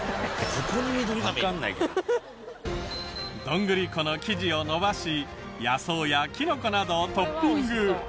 ドングリ粉の生地を延ばし野草やキノコなどをトッピング。